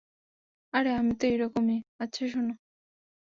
আরে আমি তো এইরকমি, আচ্ছা শোনো।